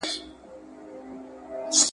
سم نیت جنجال نه جوړوي.